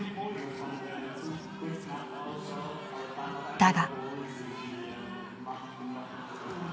だが。